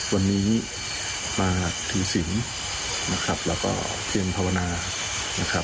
วันนี้มาถือศีลและเพียรภาวนา